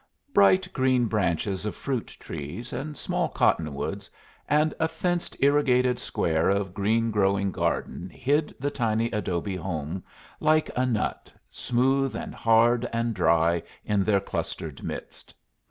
Bright green branches of fruit trees and small cottonwoods and a fenced irrigated square of green growing garden hid the tiny adobe home like a nut, smooth and hard and dry in their clustered midst.